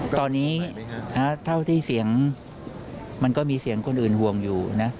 ตอนนี้เท่าที่เสียงมันก็มีเสียงคนอื่นห่วงอยู่นะ